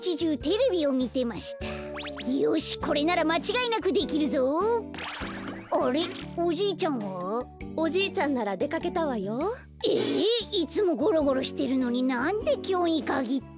いつもゴロゴロしてるのになんできょうにかぎって。